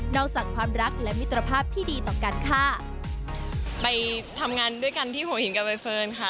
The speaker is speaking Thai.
จากความรักและมิตรภาพที่ดีต่อกันค่ะไปทำงานด้วยกันที่หัวหินกับใบเฟิร์นค่ะ